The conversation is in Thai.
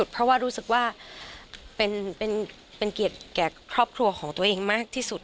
เพราะว่ารู้สึกว่าเป็นเกียรติแก่ครอบครัวของตัวเองมากที่สุด